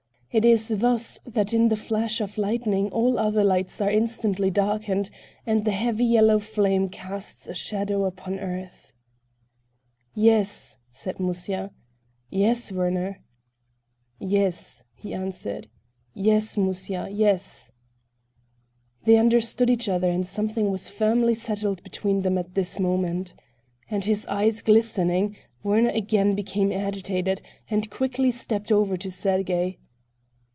It is thus that in the flash of lightning all other lights are instantly darkened and the heavy yellow flame casts a shadow upon earth. "Yes," said Musya, "yes, Werner." "Yes," he answered, "yes, Musya, yes." They understood each other and something was firmly settled between them at this moment. And his eyes glistening, Werner again became agitated and quickly stepped over to Sergey.